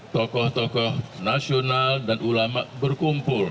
tokoh tokoh nasional dan ulama berkumpul